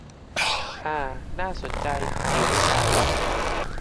อ่า น่าสนใจ เก๋เก๋า